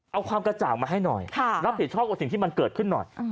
เอาความกระจ่างมาให้หน่อยรับผิดชอบกับสิ่งที่มันเกิดขึ้นหน่อย